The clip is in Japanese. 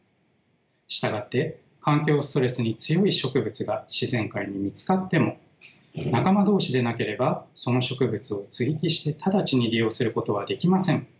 従って環境ストレスに強い植物が自然界に見つかっても仲間同士でなければその植物を接ぎ木して直ちに利用することはできません。